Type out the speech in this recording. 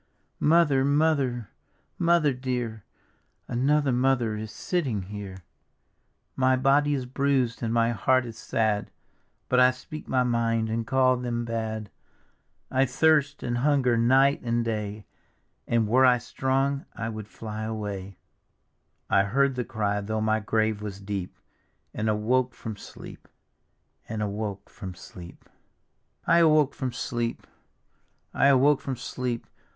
Mother, Mother, Mother dear, Another Mother is sitting here; My body is bruised and my heart is sad. But I speak my mind and call them bad ; I thirst and hunger night and day, And were I strong I would fly awayl" I heard the cry, though my grave was deep. And awoke from sleep, and awoke from sleep I I awoke from sleep, I awoke from sleep.